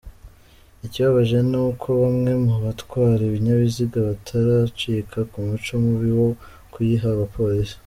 Ikibabaje ni uko bamwe mu batwara ibinyabiziga bataracika ku muco mubi wo kuyiha abapolisi.